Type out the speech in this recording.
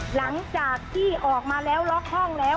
หลังจากที่ออกมาแล้วล็อกห้องแล้ว